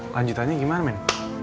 lanjutannya gimana men